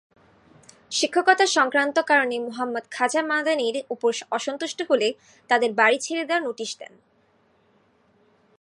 শিক্ষকতা সংক্রান্ত কারণে মুহাম্মদ খাজা মাদানির উপর অসন্তুষ্ট হলে তাদের বাড়ি ছেড়ে দেওয়ার নোটিশ দেন।